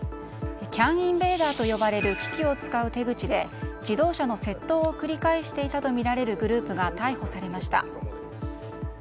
ＣＡＮインベーダーと呼ばれる機器を使って自動車の窃盗を繰り返していたとみられるグループが逮捕されました。